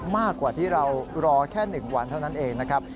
มากกว่าที่เรารอแค่๑วันเท่านั้นเองนะครับ